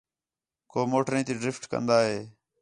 کو موٹریں تی ڈرفٹ کندا ہِے